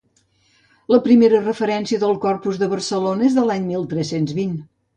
La primera referència del Corpus de Barcelona és de l'any mil tres-cents vint.